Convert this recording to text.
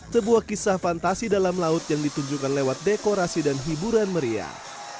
sebuah kisah fantasi dalam laut yang ditunjukkan lewat dekorasi dan hiburan meriah